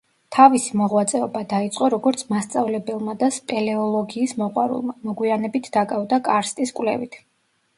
თავისი მოღვაწეობა დაიწყო როგორც მასწავლებელმა და სპელეოლოგიის მოყვარულმა, მოგვიანებით დაკავდა კარსტის კვლევით.